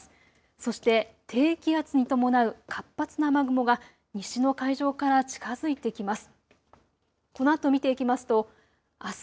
そして低気圧に伴う活発な雨雲が西の海上から近づいてきます。